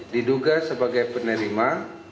diduga sebagai penerima